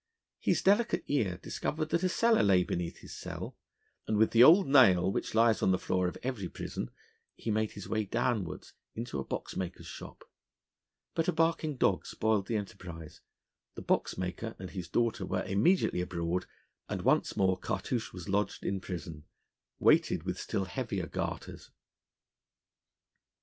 His delicate ear discovered that a cellar lay beneath his cell; and with the old nail which lies on the floor of every prison he made his way downwards into a boxmaker's shop. But a barking dog spoiled the enterprise: the boxmaker and his daughter were immediately abroad, and once more Cartouche was lodged in prison, weighted with still heavier garters.